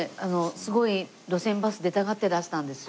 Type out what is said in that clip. すごい『路線バス』出たがってらしたんですよ